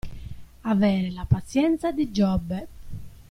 Avere la pazienza di Giobbe.